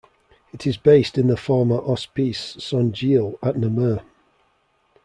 It is based in the former Hospice Saint-Gilles at Namur.